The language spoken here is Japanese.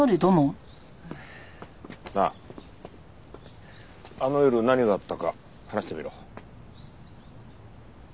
なああの夜何があったか話してみろ。